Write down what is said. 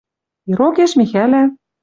Ирокеш Михӓлӓ